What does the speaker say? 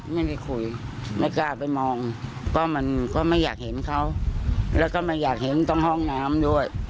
ไม่ได้คุยไม่กล้าไปมองก็มันก็ไม่อยากเห็นเขาแล้วก็ไม่อยากเห็นตรงห้องน้ำด้วย